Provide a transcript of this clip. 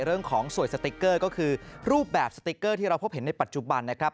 สวยสติ๊กเกอร์ก็คือรูปแบบสติ๊กเกอร์ที่เราพบเห็นในปัจจุบันนะครับ